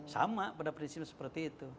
sama pada prinsip seperti itu